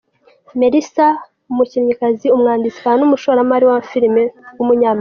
Melissa McCarthy, umukinnyikazi, umwanditsi, akaba n’umushoramari wa filime w’umunyamerika.